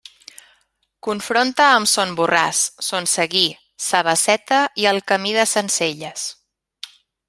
Confronta amb Son Borràs, Son Seguí, sa Basseta i el camí de Sencelles.